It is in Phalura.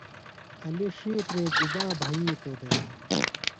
علی ڇِھیترے گُبا بھئِیتوۡ دےۡ؟